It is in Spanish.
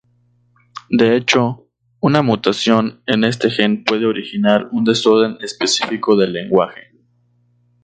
De hecho, una mutación en este gen puede originar un desorden específico del lenguaje.